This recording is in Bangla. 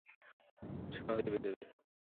সহজেই পেয়ে যাব।